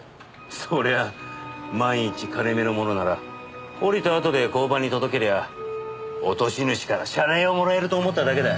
そりゃあ万一金目のものなら降りたあとで交番に届けりゃ落とし主から謝礼をもらえると思っただけだよ。